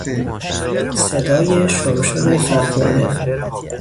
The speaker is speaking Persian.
صدای شرشر فواره